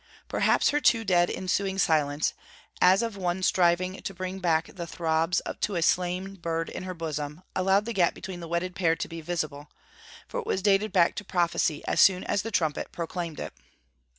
Perhaps her too dead ensuing silence, as of one striving to bring back the throbs to a slain bird in her bosom, allowed the gap between the wedded pair to be visible, for it was dated back to prophecy as soon as the trumpet proclaimed it.